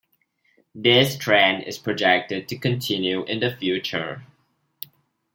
This trend is projected to continue in the future.